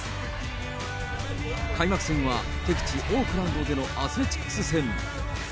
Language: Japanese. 開幕戦は敵地、オークランドでのアスレチックス戦。